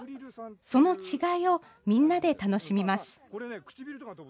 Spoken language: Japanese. その違いをみんなで楽しみます。